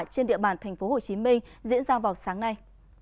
trên địa bàn tp hcm diễn ra vào sáng nay